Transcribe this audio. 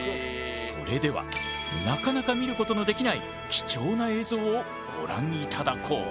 それではなかなか見ることのできない貴重な映像をご覧いただこう。